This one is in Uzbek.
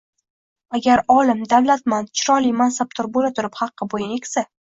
agar olim, davlatmand, chiroyli, mansabdor bo‘la turib haqqa bo‘yin egsa